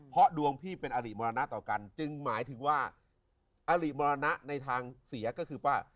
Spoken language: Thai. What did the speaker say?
เพราะดวงพี่เป็นอริมรณะต่อกันจึงหมายถึงว่าอริมรณะในทางเสียก็คือว่า